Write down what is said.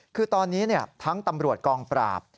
คือตอนนี้ทั้งตำรวจกองปราบ